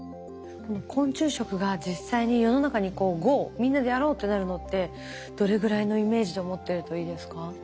昆虫食が実際に世の中にゴーみんなでやろうってなるのってどれぐらいのイメージで思ってるといいですか？